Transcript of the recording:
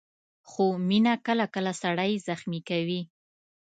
خو مینه کله کله سړی زخمي کوي.